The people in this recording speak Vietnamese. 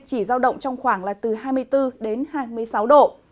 chỉ giao động trong khoảng là từ hai mươi bốn đến hai mươi sáu độ